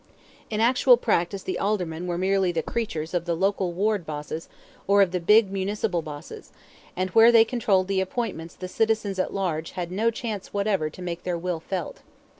In actual practice the Aldermen were merely the creatures of the local ward bosses or of the big municipal bosses, and where they controlled the appointments the citizens at large had no chance whatever to make their will felt.